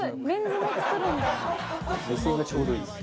目線がちょうどいいです。